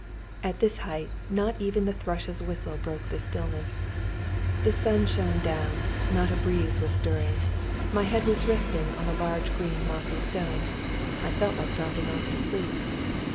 At this height not even the thrush's whistle broke the stillness. The sun shone down. Not a breeze was stirring. My head was resting on a large green mossy stone; I felt like dropping off to sleep.